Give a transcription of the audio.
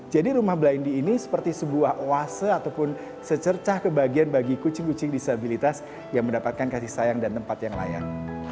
jadi rumah blendy ini seperti sebuah oase ataupun secercah kebahagiaan bagi kucing kucing disabilitas yang mendapatkan kasih sayang dan tempat yang layak